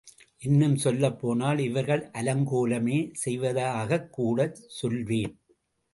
இன்னும் சொல்லப்போனால் இவர்கள் அலங்கோலமே செய்வதாகக்கூடச் சொல்வேன்.